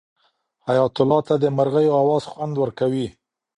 حیات الله ته د مرغیو اواز خوند ورکوي.